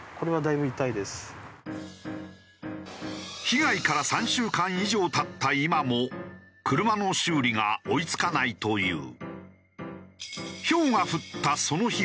被害から３週間以上経った今も車の修理が追い付かないという。